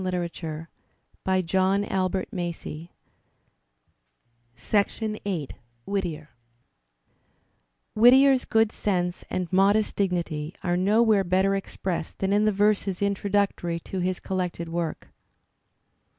nigitized by Google CHAPTER Vn WHITTIER Whittier's good sense and modest dignity are nowhere better expressed than in the verses introductory to his col lected work.